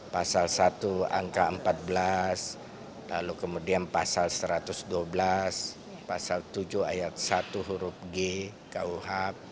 pasal satu angka empat belas lalu kemudian pasal satu ratus dua belas pasal tujuh ayat satu huruf g kuhp